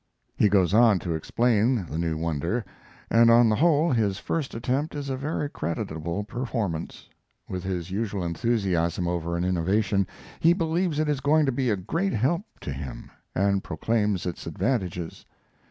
He goes on to explain the new wonder, and on the whole his first attempt is a very creditable performance. With his usual enthusiasm over an innovation, he believes it is going to be a great help to him, and proclaims its advantages.